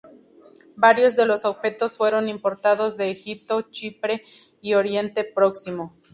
Varios de los objetos fueron importados de Egipto, Chipre y Oriente Próximo.